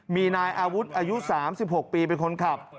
มีนายอาวุธอายุ๓๖ปีเป็นคนขับ